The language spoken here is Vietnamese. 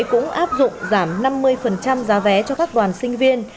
cũng áp dụng giảm năm mươi giá vé cho các đoàn sinh viên